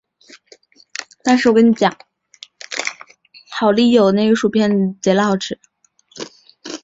电池的正极主要是由粉末状的二氧化锰和碳构成。